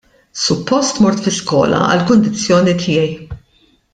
Suppost mort fi skola għall-kundizzjoni tiegħi.